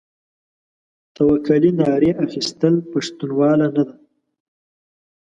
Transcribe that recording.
توکلې ناړې اخيستل؛ پښتنواله نه ده.